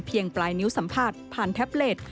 เพียงปลายนิ้วสัมภาษณ์ผ่านแท็บเลท